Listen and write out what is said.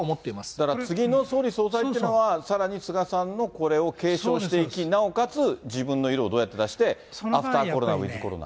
だから次の総理・総裁というのは、さらに菅さんのこれを継承していき、なおかつ自分の色をどうやって出して、アフターコロナ、ウィズコロナ。